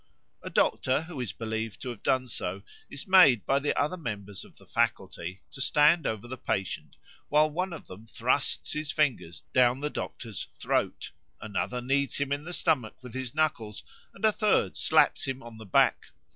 A doctor who is believed to have done so is made by the other members of the faculty to stand over the patient, while one of them thrusts his fingers down the doctor's throat, another kneads him in the stomach with his knuckles, and a third slaps him on the back.